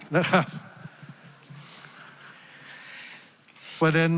นะครับ